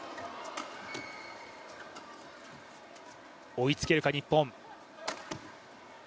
追いつけるか、日本。